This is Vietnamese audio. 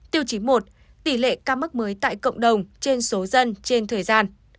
tiêu chí một tỷ lệ ca mắc mới tại cộng đồng trên số dân trên thời gian